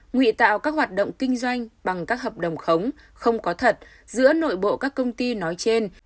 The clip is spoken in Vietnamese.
nguy tạo các hoạt động kinh doanh bằng các hợp đồng khống không có thật giữa nội bộ các công ty nói trên